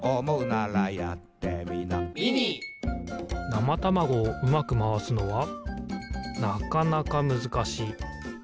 なまたまごをうまくまわすのはなかなかむずかしい。